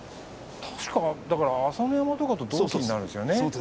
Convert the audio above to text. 確か朝乃山とかと同期になるんですよね。